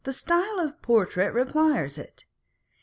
467 style of portrait requires it.